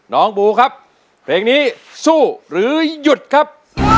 บูครับเพลงนี้สู้หรือหยุดครับ